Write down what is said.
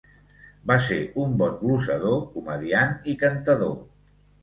Va ser un bon glosador, comediant i cantador.